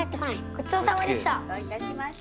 ごちそうさまでした。